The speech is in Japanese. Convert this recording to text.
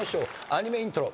アニメイントロ。